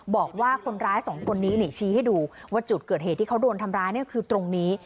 บอกว่าคนร้ายสองคนนี้ชี้ให้ดูว่าจุดเกิดเหตุที่เขาโดนทำร้ายเนี่ยคือตรงนี้